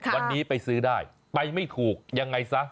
วันนี้ไปซื้อได้ไปไม่ถูกยังไงซะ